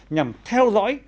nhằm theo dõi